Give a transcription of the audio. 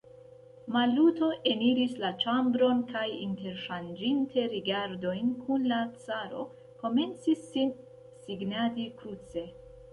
Maluto eniris la ĉambron kaj, interŝanĝinte rigardojn kun la caro, komencis sin signadi kruce.